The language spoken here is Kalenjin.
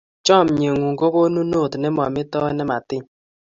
Chomye ng'ung' ko konunot ne mametoi ne matiny.